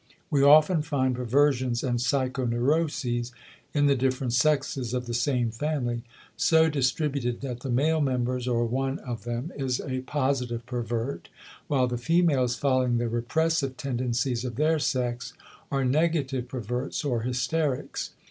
We often find perversions and psychoneuroses in the different sexes of the same family, so distributed that the male members, or one of them, is a positive pervert, while the females, following the repressive tendencies of their sex, are negative perverts or hysterics.